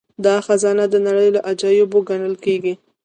دا خزانه د نړۍ له عجايبو ګڼل کیږي